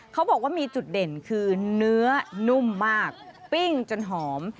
เขาบอกว่ามีจุดเด่นคือเนื้อนุ่มมากปิ้งจนหอม